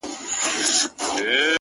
لـكــه دی لـــونــــــگ _